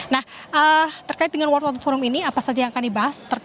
nah terkait dengan world forum ini apa saja yang akan dibahas